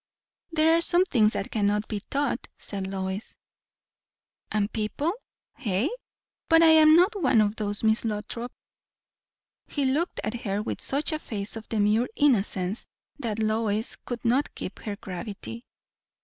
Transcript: "There are some things that cannot be taught," said Lois. "And people hey? But I am not one of those, Miss Lothrop." He looked at her with such a face of demure innocence, that Lois could not keep her gravity.